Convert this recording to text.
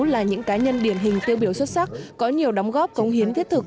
là những cá nhân điển hình tiêu biểu xuất sắc có nhiều đóng góp công hiến thiết thực